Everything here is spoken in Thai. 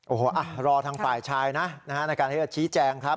โอ้โหรอทางฝ่ายชายนะในการที่จะชี้แจงครับ